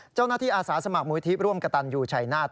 เจ้านาฬิอาสาสมัครมูลทีพร่วมกระตันอยู่ชัยนาธิ์